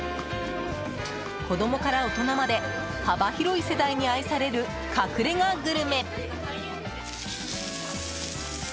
子供から大人まで幅広い世代に愛される隠れ家グルメ！